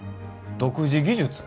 独自技術？